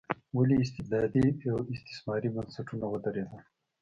ولې استبدادي او استثماري بنسټونه ودرېدل.